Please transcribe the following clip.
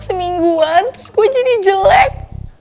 semingguan terus gue jadi jelek